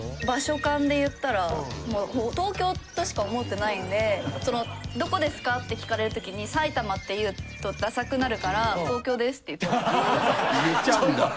場所感で言ったら東京としか思ってないんでどこですかって聞かれるときに埼玉って言うとださくなるから東京ですって言ってます。